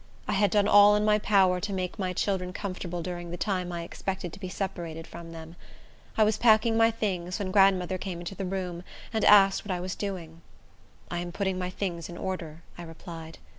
I had done all in my power to make my children comfortable during the time I expected to be separated from them. I was packing my things, when grandmother came into the room, and asked what I was doing. "I am putting my things in order," I replied.